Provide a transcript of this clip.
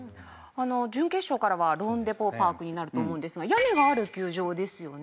準決勝からはローンデポ・パークになると思うんですが屋根がある球場ですよね。